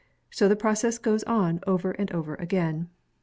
So the process goes on over and over again.